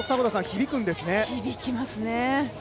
響きますね。